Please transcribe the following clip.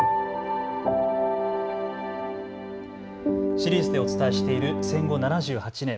シリーズでお伝えしている戦後７８年。